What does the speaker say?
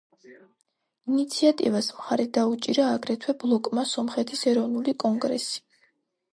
ინიციატივას მხარი დაუჭირა აგრეთვე ბლოკმა სომხეთის ეროვნული კონგრესი.